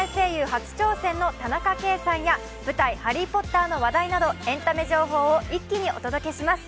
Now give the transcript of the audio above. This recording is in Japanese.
初挑戦の田中圭さんや舞台「ハリー・ポッター」の話題などエンタメ情報を一気にお届けします。